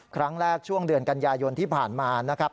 ครั้งแรกช่วงเดือนกันยายนที่ผ่านมานะครับ